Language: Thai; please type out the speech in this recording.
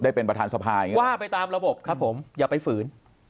ได้เป็นประธานสภาอย่างนี้